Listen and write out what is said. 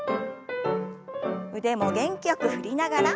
腕も元気よく振りながら。